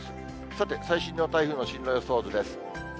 さて、最新の台風の進路予想図です。